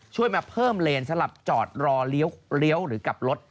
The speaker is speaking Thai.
ช่วยมาเพิ่มเลนสำหรับจอดรอเลี้ยวหรือกลับรถ